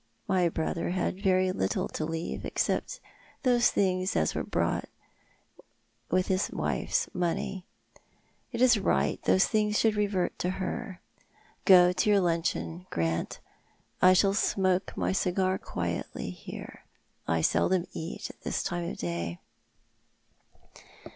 My brother had very little to leave, excej^t such things as were bought with his wife's money. It is right those things should revert to her. Go to your luncheon, Grant. I shall smoke my cigar quietly here. I seldom eat at this time of day."